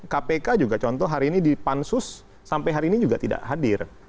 kpk juga contoh hari ini di pansus sampai hari ini juga tidak hadir